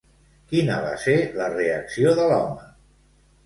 Quina va ser la reacció de l'home?